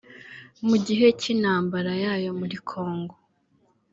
Mu gihe cy’intambara ya yo muri Kongo